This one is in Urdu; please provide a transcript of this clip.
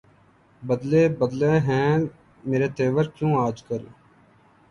بدلے بدلے ہیں میرے تیور کیوں آج کل